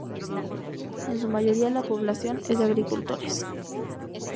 En su mayoría su población es de agricultores.